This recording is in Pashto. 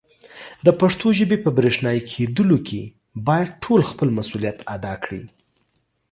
د پښتو ژبې په برښنایې کېدلو کې باید ټول خپل مسولیت ادا کړي.